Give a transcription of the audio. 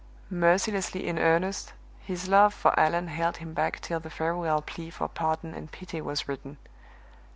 Mercilessly in earnest, his love for Allan held him back till the farewell plea for pardon and pity was written.